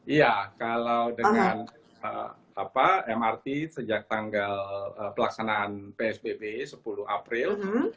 iya kalau dengan mrt sejak tanggal pelaksanaan psbb sepuluh april